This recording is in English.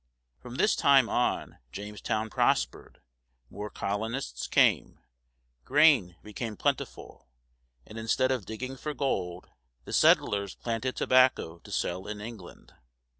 From this time on Jamestown prospered; more colonists came, grain became plentiful, and instead of digging for gold, the settlers planted tobacco to sell in England.